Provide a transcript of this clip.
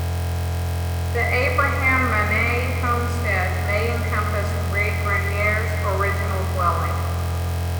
The Abraham Manee Homestead may encompass Regrenier's original dwelling.